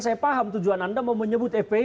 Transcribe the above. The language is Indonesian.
saya paham tujuan anda mau menyebut fpi